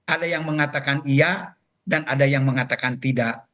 ada yang mengatakan iya dan ada yang mengatakan tidak